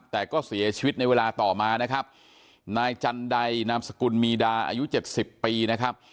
แต่ก็เสียชีวิตในเวลาต่อมานะครับนายจันใดนามสกุลมีดาอายุเจ็ดสิบปีนะครับ